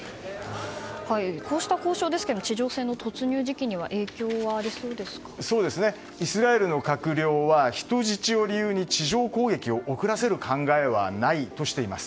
こうした交渉ですが地上戦の突入時期にイスラエルの閣僚は人質を理由に地上攻撃を遅らせる考えはないとしています。